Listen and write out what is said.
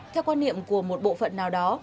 theo quan niệm của một bộ phận nào đó